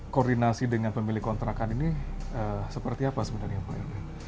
koordinasi dengan pemilik kontrakan ini seperti apa sebenarnya pak erwin